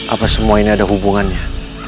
apa semua ini ada hubungannya